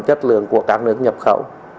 chất lượng của các nước nhập khẩu